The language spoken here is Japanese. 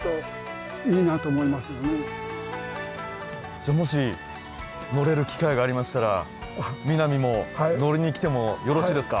じゃあもし乗れる機会がありましたら南も乗りに来てもよろしいですか？